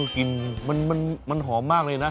กลิ่นมันหอมมากเลยนะ